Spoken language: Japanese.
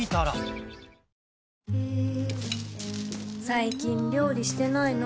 最近料理してないの？